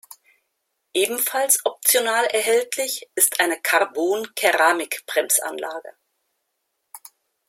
Ebenfalls optional erhältlich ist eine Carbon-Keramik-Bremsanlage.